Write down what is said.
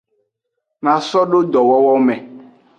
Na so do dowowo me.